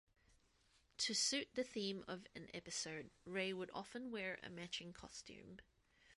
To suit the theme of an episode, Ray would often wear a matching costume.